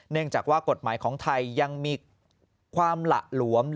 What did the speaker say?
จากว่ากฎหมายของไทยยังมีความหละหลวม